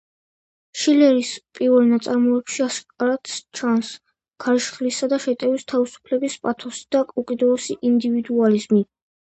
შილერის პირველ ნაწარმოებებში აშკარად ჩანს „ქარიშხლისა და შეტევის“ თავისუფლების პათოსი და უკიდურესი ინდივიდუალიზმი.